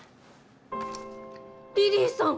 リリィさん！